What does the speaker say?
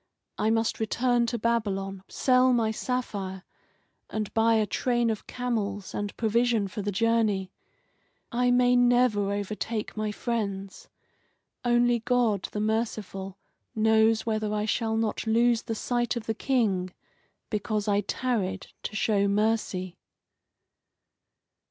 I must return to Babylon, sell my sapphire, and buy a train of camels, and provision for the journey. I may never overtake my friends. Only God the merciful knows whether I shall not lose the sight of the King because I tarried to show mercy."